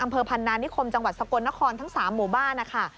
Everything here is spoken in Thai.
อำเภอพันนานิคมจังหวัดสกลนครทั้ง๓หมู่บ้านนะคะ